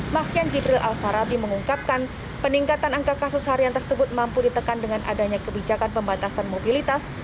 mahyan jidril alfarabi mengungkapkan peningkatan angka kasus harian tersebut mampu ditekan dengan adanya kebijakan pembatasan mobilitas